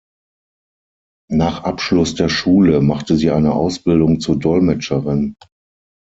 Nach Abschluss der Schule machte sie eine Ausbildung zur Dolmetscherin.